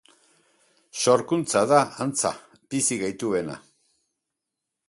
Sorkuntza da, antza, bizi gaituena.